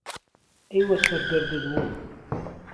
ئهی وه سهرگهردت وم